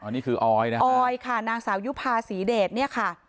อ๋อนี่คือออยค่ะนางสาวยุภาษีเดชเนี่ยค่ะ